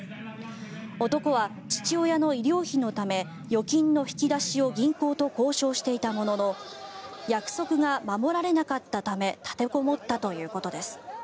男は父親の医療費のため預金の引き出しを銀行と交渉していたものの約束が守られなかったため立てこもったということです。